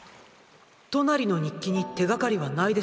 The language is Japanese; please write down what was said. トナリの日記に手がかりはないでしょうか？